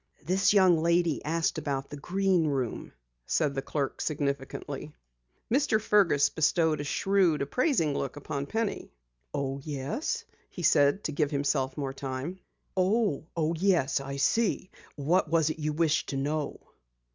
"This young lady asked about the Green Room," said the clerk significantly. Mr. Fergus bestowed a shrewd, appraising look upon Penny. "Oh, yes," he said to give himself more time, "Oh, yes, I see. What was it you wished to know?"